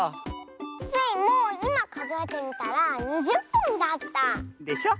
スイもいまかぞえてみたら２０ぽんだった。でしょ。